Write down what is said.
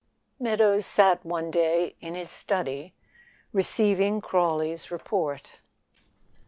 MEADOWS sat one day in his study receiving Crawley's report.